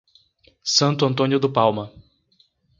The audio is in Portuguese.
Santo Antônio do Palma